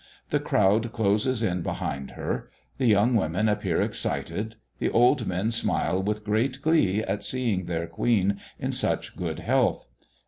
The crowd closes in behind her; the young women appear excited; the old men smile with great glee at seeing their Queen in such good health.